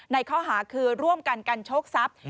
ข้อหาคือร่วมกันกันโชคทรัพย์